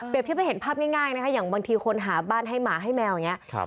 ที่ไปเห็นภาพง่ายนะคะอย่างบางทีคนหาบ้านให้หมาให้แมวอย่างนี้